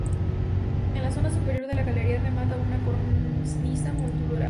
En la zona superior de la galería remata una cornisa moldurada.